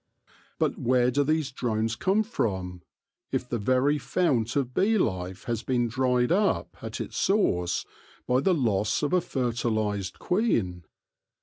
But where do these drones come from, if the very fount of bee life has been dried up at its source by the loss of a fertilised queen